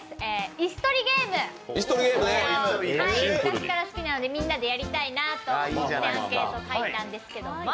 椅子取りゲーム、昔から好きなので、みんなでやりたいなと思ってアンケート書いたんですが。